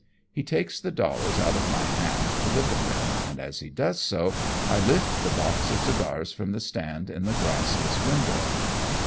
He takes the dollars out of my hand to look at them, and as he does so, I lift the box of cigars from the stdnd in the glass less window.